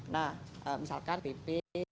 nah misalkan pp